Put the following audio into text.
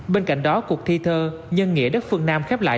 bên cạnh đó cuộc thi thơ nhân nghĩa đất phương nam khép lại